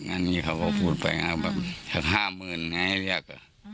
อันนี้เขาก็พูดไปแบบห้าหมื่นไงเรียก